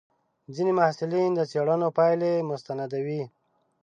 ځینې محصلین د څېړنو پایلې مستندوي.